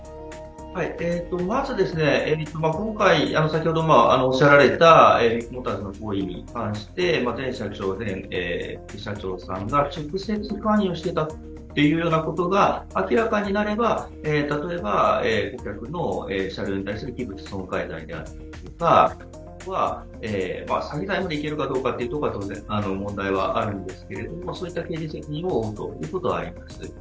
まず今回、先ほどおっしゃられたビッグモーターの行為に関して前社長、前副社長さんが直接関与していたということが明らかになれば、例えば、顧客の車両に対する器物損壊罪であるとかあとは詐欺罪までいけるかどうかというところは当然問題はあるんですが、そういった刑事責任を負うということはありえます。